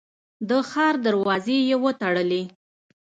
د ښار دروازې یې وتړلې.